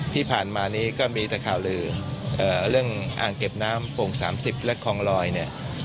ที่ผ่านมานี้ก็มีแต่ข่าวลือเรื่องอ่างเก็บน้ำโป่ง๓๐และคลองลอยเนี่ย